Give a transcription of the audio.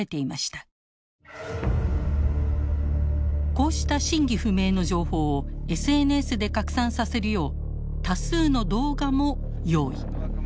こうした真偽不明の情報をＳＮＳで拡散させるよう多数の動画も用意。